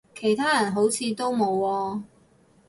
其他人好似都冇喎